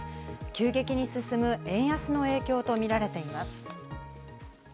急激に進む円安の影響とみられています。